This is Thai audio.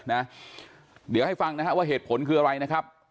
เดี๋ยวให้ฟังนะฮะว่าเหตุผลคืออะไรนะครับ